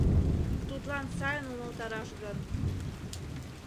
— Тудлан сайын умылтараш гын?..